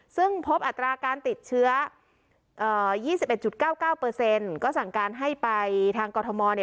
ซึ่งพบอัตราการติดเชื้อเอ่อยี่สิบเอ็ดจุดเก้าเก้าเปอร์เซ็นต์ก็สั่งการให้ไปทางกอทมเนี่ย